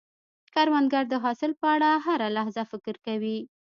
کروندګر د حاصل په اړه هره لحظه فکر کوي